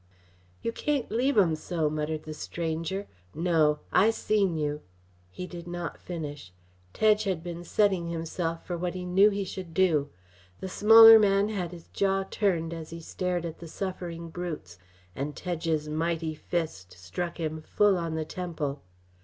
"You cain't leave 'em so," muttered the stranger. "No; I seen you " He did not finish. Tedge had been setting himself for what he knew he should do. The smaller man had his jaw turned as he stared at the suffering brutes. And Tedge's mighty fist struck him full on the temple.